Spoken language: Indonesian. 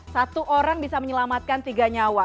satu orang bisa menyelamatkan tiga nyawa